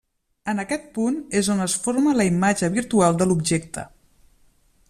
En aquest punt és on es forma la imatge virtual de l'objecte.